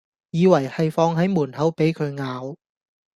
以為係放喺門口俾佢咬